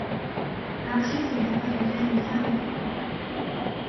L'intrigue n'a pas de réel lien avec le premier.